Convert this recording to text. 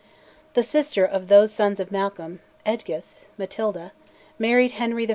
The sister of those sons of Malcolm, Eadgyth (Matilda), married Henry I.